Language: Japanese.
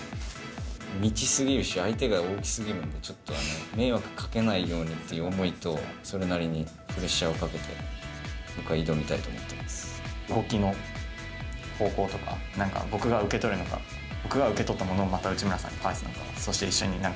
未知すぎるし、相手が大きすぎるんで、ちょっと迷惑かけないようにっていう思いと、それなりにプレッシャーをかけて、僕は挑みた動きの方向とか、なんか僕が受け取るのか、僕が受け取ったものをまた内村さんに返すのか、そして一緒になん